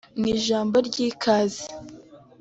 Mu ijambo ry’ikaze